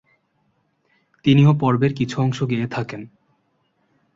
তিনিও পর্বের কিছু অংশ গেয়ে থাকেন।